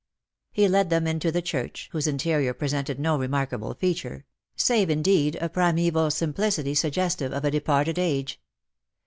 He led them into the church, whose interior presented no remarkable feature — save, indeed, a primeval simplicity sugges tive of a departed age.